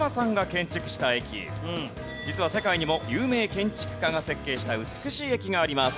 実は世界にも有名建築家が設計した美しい駅があります。